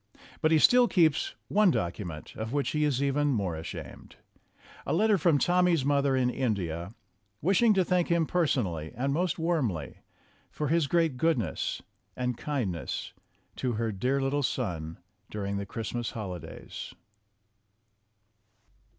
But he still keeps one document of which he is even more ashamed a letter from Tommy's mother in In dia, wishing to thank him personally and most warmly for his great goodness and kindness to her dear little son during the Christmas holidays.